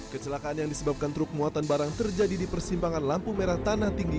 kecelakaan yang disebabkan truk muatan barang terjadi di persimpangan lampu merah tanah tinggi